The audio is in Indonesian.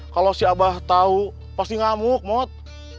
kalau si abah tau pasti ngamuk mod